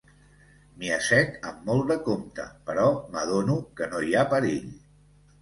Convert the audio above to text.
M'hi assec amb molt de compte, però m'adono que no hi ha perill.